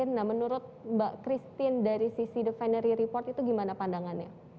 nah menurut mbak christine dari sisi the finary report itu gimana pandangannya